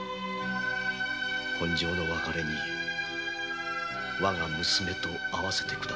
今生の別れにわが娘と会わせてくだされた。